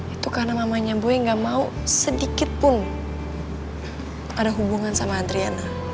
itu karena mamanya boy gak mau sedikit pun ada hubungan sama adriana